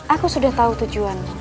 aku sudah tahu tujuanmu